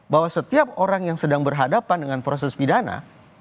bahwa setiap orang yang sedang berhadapan dengan proses pidana